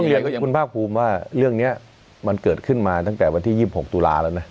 เรียนคุณภาคภูมิว่าเรื่องนี้มันเกิดขึ้นมาตั้งแต่วันที่๒๖ตุลาแล้วนะ